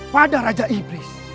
pada raja iblis